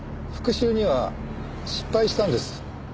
復讐には失敗したんです。